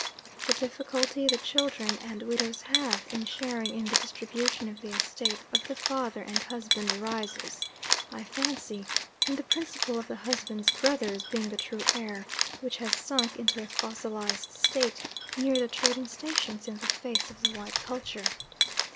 The difficulty the children and widows have in sharing in the distribution of the estate of the father and husband arises, I fancy, in the principle of the husband's brothers being the true heir, which has sunk into a fossilised state near the trading stations in the face of the white culture.